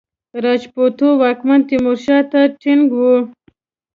راجپوتو واکمن تیمورشاه ته ټینګ وو.